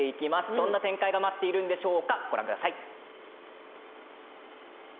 どんな展開が待っているんでしょうか。